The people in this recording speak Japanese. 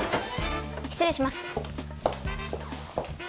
失礼します。